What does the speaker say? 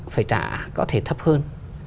phải trả có thể thấp hơn